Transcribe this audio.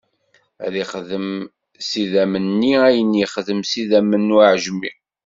Ad ixdem s idammen-nni ayen yexdem s idammen n uɛejmi.